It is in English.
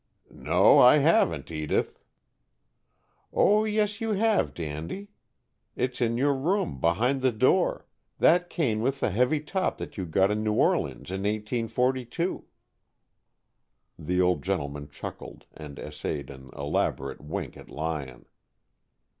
"No, I haven't, Edith." "Oh, yes, you have. Dandy. It's in your room, behind the door. That cane with the heavy top that you got in New Orleans in 1842." The old gentleman chuckled, and essayed an elaborate wink at Lyon.